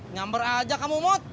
nyamber aja kak mumut